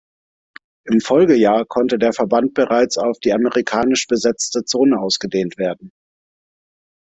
Im Folgejahr konnte der Verband bereits auf die amerikanisch besetzte Zone ausgedehnt werden.